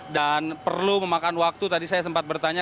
dan perlu memakan waktu tadi saya sempat bertanya